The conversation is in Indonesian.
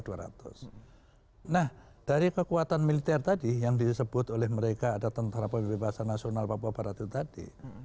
nah dari kekuatan militer tadi yang disebut oleh mereka ada tentara pembebasan nasional papua barat itu tadi